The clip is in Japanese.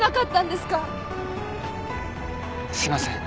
すいません。